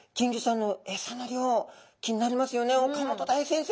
岡本大先生